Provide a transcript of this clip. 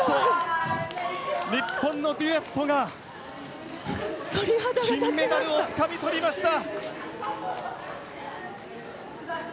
日本のデュエットが金メダルをつかみ取りました。